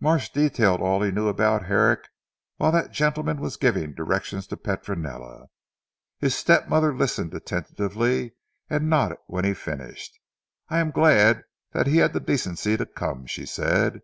Marsh detailed all he knew about Herrick while that gentleman was giving directions to Petronella. His step mother listened attentively, and nodded when he finished. "I am glad he had the decency to come," she said.